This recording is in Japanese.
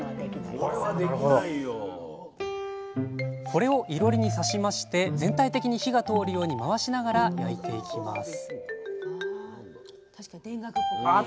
これをいろりに刺しまして全体的に火が通るように回しながら焼いていきます